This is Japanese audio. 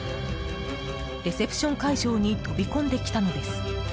レセプション会場に飛び込んできたのです。